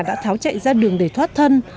đã tháo chạy ra đường để thoát thân